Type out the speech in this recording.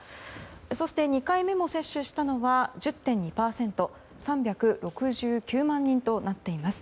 そして２回目も接種したのは１０．２％３６９万人となっています。